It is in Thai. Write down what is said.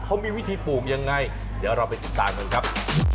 เขามีวิธีปลูกยังไงเดี๋ยวเราไปติดตามกันครับ